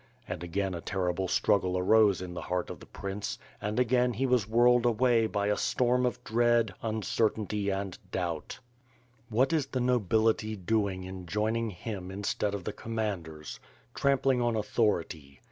And again a terrible struggle arose in the heart of the Prince and again he was whirled away by a storm of dread, uncertainty and doubt. WTiat is the nobility doing in joining him instead of the commanders. Trampling on authority.